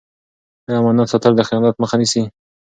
آیا امانت ساتل د خیانت مخه نیسي؟